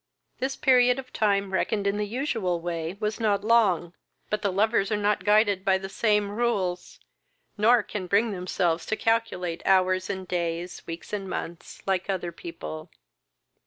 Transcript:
This period of time, reckoned in the usual way, was not long; but the lovers are not guided by the same rules, nor can bring themselves to calculate hours and days, weeks, and months, like other people.